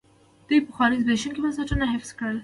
دوی پخواني زبېښونکي بنسټونه حفظ کړل.